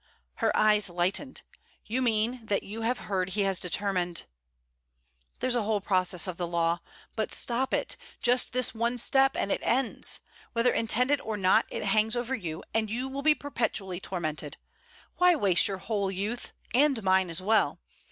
Her eyes lightened: 'You mean that you have heard he has determined ?' 'There's a process of the law. But stop it. Just this one step, and it ends. Whether intended or not, it hangs over you, and you will be perpetually tormented. Why waste your whole youth? and mine as well!